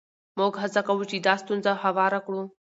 موږ هڅه کوو چې دا ستونزه هواره کړو.